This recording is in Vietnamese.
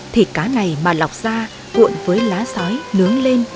thì cá này mà lọc ra cuộn với lá giói nướng lên